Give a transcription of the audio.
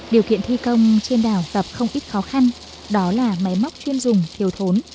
điều kiện thi công trên đảo gặp không ít khó khăn đó là máy móc chuyên dùng thiếu thốn